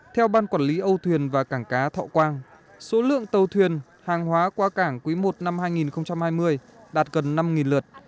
theo ban quản lý âu thuyền và cảng cá thọ quang số lượng tàu thuyền hàng hóa qua cảng quý i năm hai nghìn hai mươi đạt gần năm lượt